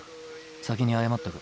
先に謝っておく。